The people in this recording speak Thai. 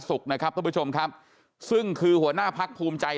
จากกัญชากัญชงจากบัญชียาเสพติดปลดล็อคจริง